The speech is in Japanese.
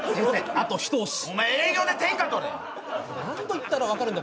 あと一押しお前営業で天下取れ何度言ったら分かるんだ